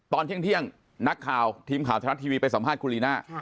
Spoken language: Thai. ตอนเที่ยงนักข่าวทีมข่าวทะลัดทีวีไปสัมภาษณ์คุณลีน่า